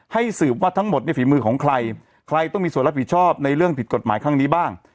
สืบว่าทั้งหมดเนี่ยฝีมือของใครใครต้องมีส่วนรับผิดชอบในเรื่องผิดกฎหมายครั้งนี้บ้าง